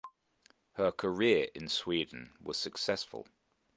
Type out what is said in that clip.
Her career in Sweden was successful.